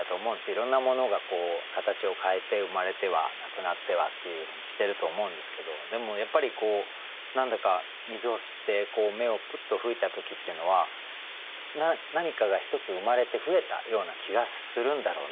いろんなものがこう形を変えて生まれてはなくなってはっていうふうにしてると思うんですけどでもやっぱりこう何だか水を吸って芽をプッと吹いた時っていうのは何かが１つ生まれて増えたような気がするんだろうなと思って。